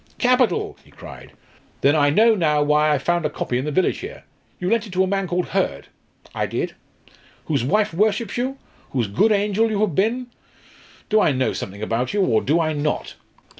"Capital!" he cried. "Then I know now why I found a copy in the village here. You lent it to a man called Hurd?" "I did." "Whose wife worships you? whose good angel you have been? Do I know something about you, or do I not?